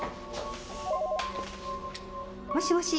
もしもし？